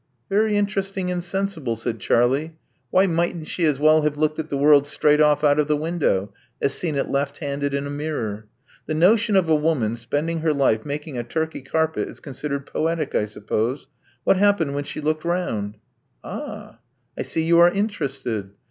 "Very interesting and sensible," said Charlie. "Why mightn't she as well have looked at the world straight off out of the window, as seen it left handed in a mirror? The notion of a woman spending her life making a Turkey carpet is considered poetic, I sup pose. What happened when she looked round?" "Ah, I see you are interested.